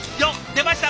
出ました！